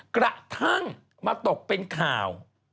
กระทั่งมาตกเป็นข่าว